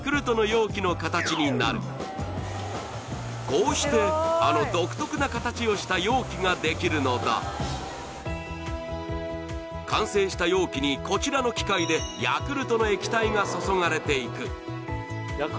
こうしてあの独特な形をした容器ができるのだ完成した容器にこちらの機械でヤクルトの液体が注がれていく